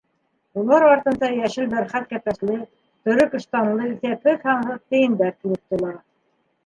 Улар артынса йәшел бәрхәт кәпәсле, төрөк ыштанлы иҫәпһеҙ-һанһыҙ тейендәр килеп тула.